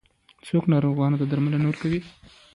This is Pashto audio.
څوک ناروغانو ته درمل ورکوي؟